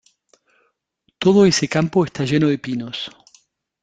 Todo ese campo está lleno de pinos.